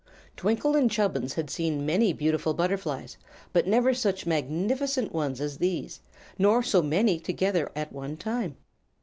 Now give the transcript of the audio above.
Twinkle and Chubbins had seen many beautiful butterflies, but never such magnificent ones as these, nor so many together at one time.